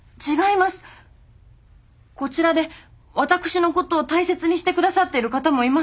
こちらで私のことを大切にして下さっている方もいます。